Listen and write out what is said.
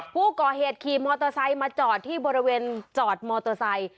ผู้ก่อเหตุขี่มอเตอร์ไซค์มาจอดที่บริเวณจอดมอเตอร์ไซค์